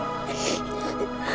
yuk kita ke sana